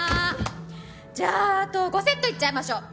じゃああと５セットいっちゃいましょう。